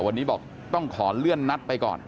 วันนี้บอกต้องขอเลื่อนนัดไปก่อน